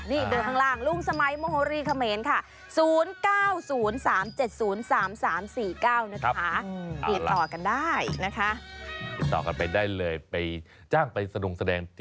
ติดต่อกันไปได้เลยไปจ้างไปสนุกแสดงที่ไหน